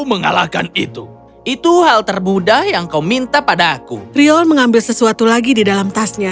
mengalahkan itu itu hal terbudaya yang kau minta padaku riol mengambil sesuatu lagi di dalam tasnya